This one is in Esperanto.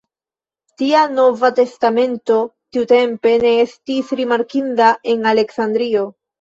Tia Nova Testamento tiutempe ne estis rimarkinda en Aleksandrio.